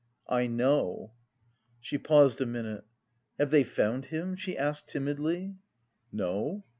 "I know." She paused a minute. "Have they found him?" she asked timidly. "No."